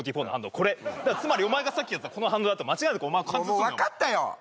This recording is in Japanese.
これつまりお前がさっきやってたこの反動だと間違いなくお前を貫通するのよもうわかったよ！